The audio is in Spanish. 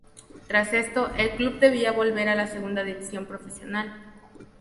Tras esto, el club debía volver a Segunda División Profesional.